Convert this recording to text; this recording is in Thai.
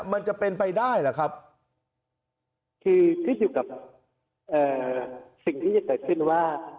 มันจะเป็นไปได้หรือครับคือขึ้นอยู่กับสิ่งที่จะเกิดขึ้นว่า